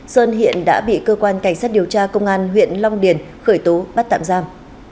sơn hiện đã bị cơ quan cảnh sát điều tra công an huyện long điền khởi tố bắt tạm giam